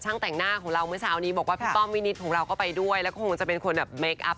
อย่างจุลเลี่ยนมวงก็ใส่โชภาไปด้วยนะครับ